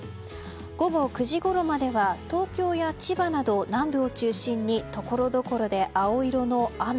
午後９時ごろまでは東京や千葉など南部を中心にところどころで青色の雨。